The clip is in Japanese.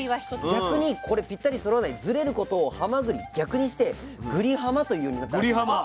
逆にこれぴったりそろわないズレることをはまぐり逆にしてぐりはまというようになったんですよ。